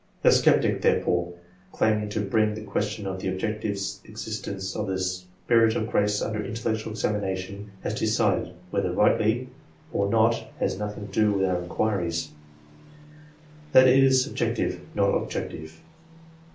The sceptic, therefore, claiming to bring the question of the objective existence of the Spirit of grace under intellectual examination, has decided whether rightly or not has nothing to do with our in quiries that it is subjective, not objective.